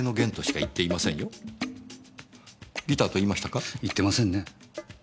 言ってませんね。